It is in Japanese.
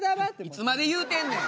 いつまで言うてんねん。